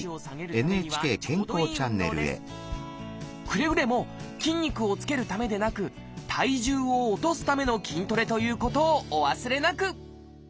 くれぐれも筋肉をつけるためでなく体重を落とすための筋トレということをお忘れなく！